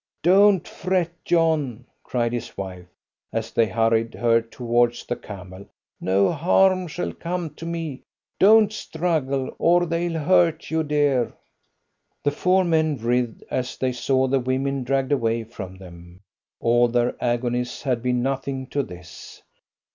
"Don't fret, John!" cried his wife, as they hurried her towards the camel. "No harm shall come to me. Don't struggle, or they'll hurt you, dear." The four men writhed as they saw the women dragged away from them. All their agonies had been nothing to this.